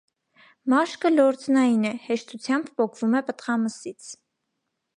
Մաշկը լորձնային է, հեշտությամբ պոկվում է պտղամսից։